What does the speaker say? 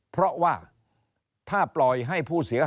เพราะว่าถ้าปล่อยให้ผู้เสียหาย